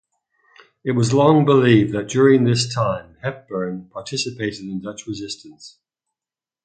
It was long believed that during this time, Hepburn participated in the Dutch resistance.